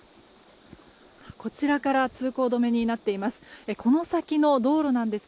こちらから通行止めになっています。